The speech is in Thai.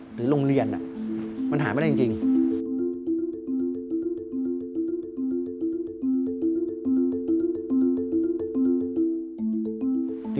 หรือโรงเรียนตามสถานบันไม่ได้ค่ะ